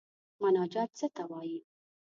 مناجات څه ته وايي.